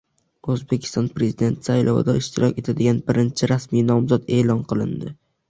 O‘zbekiston Prezidenti saylovida ishtirok etadigan birinchi rasmiy nomzod e’lon qilindi